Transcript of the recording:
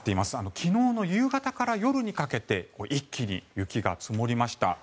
昨日の夕方から夜にかけて一気に雪が積もりました。